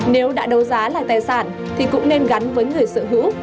nếu đã đấu giá lại tài sản thì cũng nên gắn với người sở hữu